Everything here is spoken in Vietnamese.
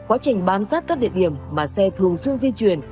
ở các địa điểm mà xe thường xuyên di chuyển